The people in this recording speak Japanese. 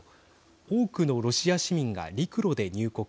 多くのロシア市民が陸路で入国。